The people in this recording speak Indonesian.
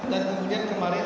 dan kemudian kemarin